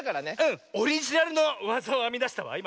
オリジナルのわざをあみだしたわいま。